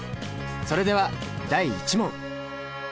それでは第１問！